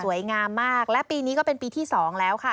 งามมากและปีนี้ก็เป็นปีที่สองแล้วค่ะ